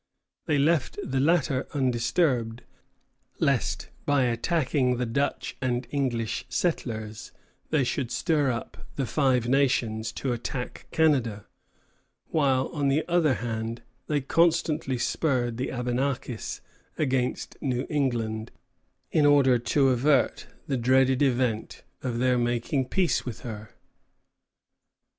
They left the latter undisturbed, lest by attacking the Dutch and English settlers they should stir up the Five Nations to attack Canada; while, on the other hand, they constantly spurred the Abenakis against New England, in order to avert the dreaded event of their making peace with her.